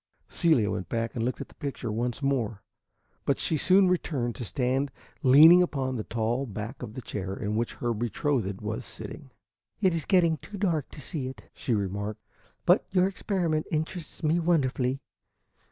Celia went back and looked at the picture once more, but she soon returned to stand leaning upon the tall back of the chair in which her betrothed was sitting. "It is getting too dark to see it," she remarked; "but your experiment interests me wonderfully.